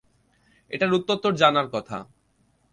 এটার উত্তর তোর জানার কথা!